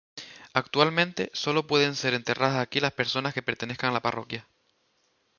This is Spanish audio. Actualmente sólo pueden ser enterradas aquí personas que pertenezcan a la parroquia.